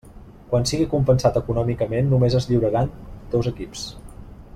Quan sigui compensat econòmicament només es lliuraran dos equips.